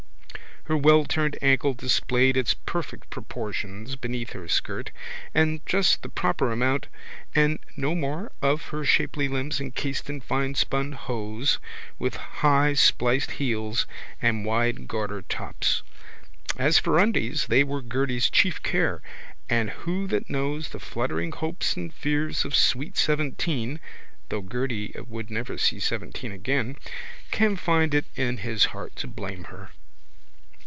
Her wellturned ankle displayed its perfect proportions beneath her skirt and just the proper amount and no more of her shapely limbs encased in finespun hose with highspliced heels and wide garter tops. As for undies they were Gerty's chief care and who that knows the fluttering hopes and fears of sweet seventeen (though Gerty would never see seventeen again) can find it in his heart to blame her?